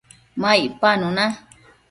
ma icpanu na